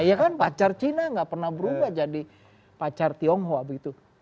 iya kan pacar cina nggak pernah berubah jadi pacar tionghoa begitu